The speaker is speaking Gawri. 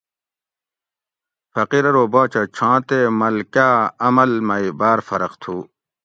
فقیر آرو باچہ چھاں تے ملکا اٞ عمل می بار فرق تُھو